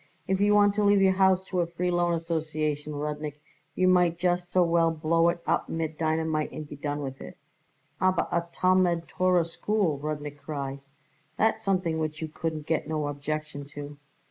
If you want to leave your house to a Free Loan Association, Rudnik, you might just so well blow it up mit dynamite and be done with it." "Aber a Talmud Torah School," Rudnik cried; "that's something which you couldn't got no objection to."